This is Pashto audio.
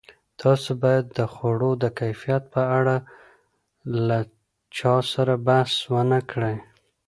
تاسو باید د خوړو د کیفیت په اړه له چا سره بحث ونه کړئ.